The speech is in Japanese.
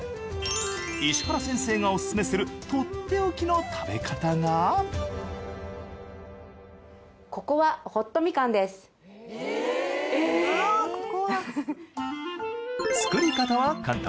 石原先生がおすすめするとっておきの食べ方が作り方は簡単。